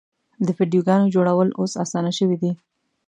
د ویډیوګانو جوړول اوس اسانه شوي دي.